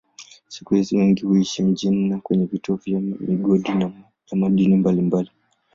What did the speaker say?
Siku hizi wengi huishi mjini na kwenye vituo vya migodi ya madini mbalimbali.